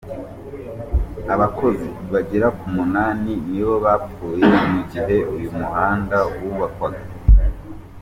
Abakozi bagera ku munani nibo bapfuye mu gihe uyu muhanda wubakwaga.